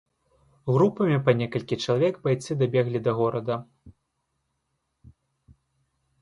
Групамі па некалькі чалавек байцы дабеглі да горада.